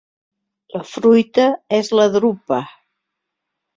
La fruita és la drupa.